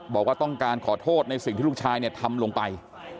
บอกว่าต้องการขอโทษในสิ่งที่ลูกชายทำลงไป